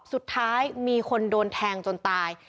สุดท้ายมีคนโดนแทงจนตาย